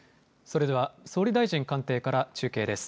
それでは総理大臣官邸から中継です。